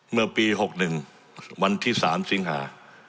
เมื่อปี๖๑วันที่๓สิงหา